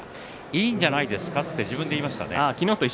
いいんじゃないですかと自分に言いましたね。